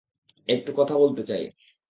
একটু কথা বলতে চাই।